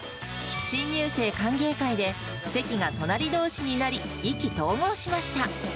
新入生歓迎会で席が隣どうしになり、意気投合しました。